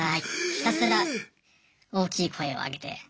ひたすら大きい声を上げて。